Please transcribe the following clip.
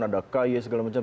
ada k y segala macam